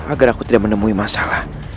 agar aku tidak menemui masalah